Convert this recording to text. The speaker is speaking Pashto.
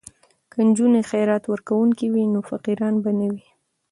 که نجونې خیرات ورکوونکې وي نو فقیران به نه وي.